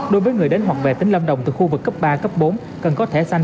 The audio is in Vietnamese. đối với người đến hoặc về tính lâm đồng từ khu vực cấp ba cấp bốn cần có thẻ xanh